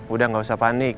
udah gak usah panik